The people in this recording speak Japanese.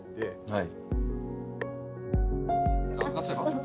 はい。